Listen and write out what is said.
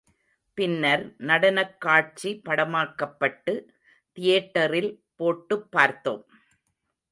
பின்னர் நடனக் காட்சி படமாக்கப்பட்டு, தியேட்டரில் போட்டுப் பார்த்தோம்.